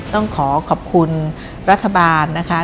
ต้องขอขอบคุณรัฐบาลนะคะ